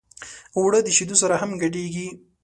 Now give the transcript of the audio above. اوړه د شیدو سره هم ګډېږي